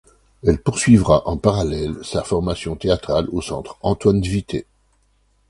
Elle poursuivra en parallèle sa formation théâtrale au Centre Antoine Vitez.